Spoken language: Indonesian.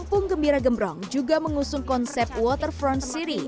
kampung gembira gembrong juga mengusung konsep waterfront city